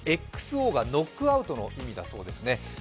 ＸＯがノックアウトの意味だそうですね。